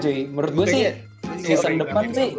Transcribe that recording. jadi menurut gue sih season depan sih